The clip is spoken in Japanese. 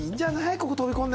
ここ飛び込んでも。